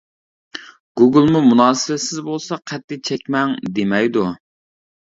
گۇگىلمۇ مۇناسىۋەتسىز بولسا قەتئىي چەكمەڭ دېمەيدۇ.